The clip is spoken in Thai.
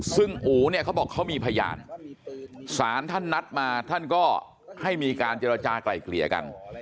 ซึ่งอู๋เนี่ยเขาบอกเขามีพยานศาลท่านนัดมาท่านก็ให้มีการเจรจากลายเกลี่ยกัน